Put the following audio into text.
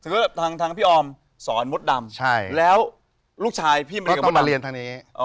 พี่แฮงพี่ออร์มสอนมดดำก็ต้องมาเรียนทางนี้